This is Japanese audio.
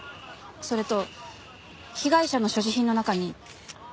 それと被害者の所持品の中に。